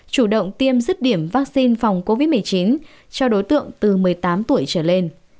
chủ động tiêm rứt điểm vaccine phòng covid một mươi chín cho đối tượng từ một mươi tám tuổi trở lên